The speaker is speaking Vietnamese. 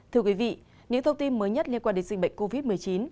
thưa quý vị những thông tin mới nhất liên quan đến dịch bệnh covid một mươi chín